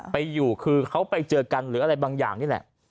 ไปอยู่คือเขาไปเจอกันหรืออะไรบางอย่างนี่แหละ